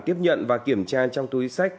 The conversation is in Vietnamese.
tiếp nhận và kiểm tra trong túi sách